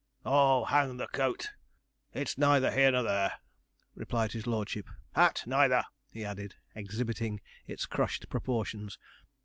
'Oh, hang the coat! it's neither here nor there,' replied his lordship; 'hat neither,' he added, exhibiting its crushed proportions.